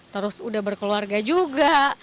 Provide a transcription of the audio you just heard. terus udah berkeluarga juga